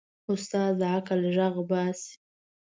استاد د عقل غږ باسي.